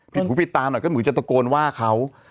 หูผิดตาหน่อยก็เหมือนจะตะโกนว่าเขา